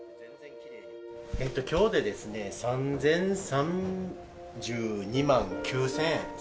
きょうで３０３２万９０００円。